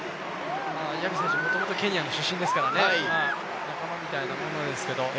ヤビ選手、もともとケニアの出身ですから仲間みたいなものですけど。